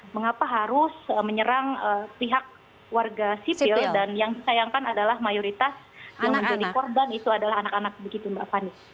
mengapa harus menyerang pihak warga sipil dan yang disayangkan adalah mayoritas yang menjadi korban itu adalah anak anak begitu mbak fani